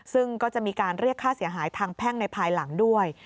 ซึ่งก็จะมีการเรียกค่าเสียหายทางแพ่งในภายหลังด้วย